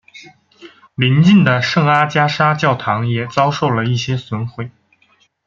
邻近的圣阿加莎教堂也遭受了一些损毁。